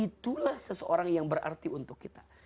itulah seseorang yang berarti untuk kita